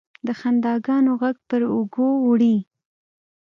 د خنداګانو، ږغ پر اوږو وړي